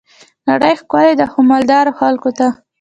نړۍ ښکلي ده خو، مالدارو خلګو ته.